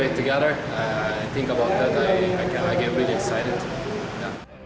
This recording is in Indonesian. saya berpikir tentang itu dan saya sangat teruja